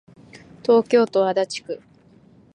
東京都足立区